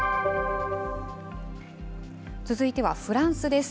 続いてはフランスです。